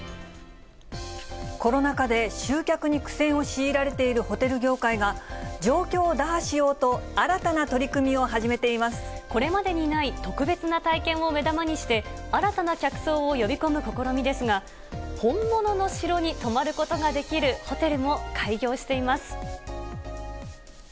コロナ禍で集客に苦戦を強いられているホテル業界が、状況を打破しようと、新たな取り組みをこれまでにない特別な体験を目玉にして、新たな客層を呼び込む試みですが、本物の城に泊まることができるホテルも開業しています。